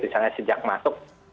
misalnya sejak masuk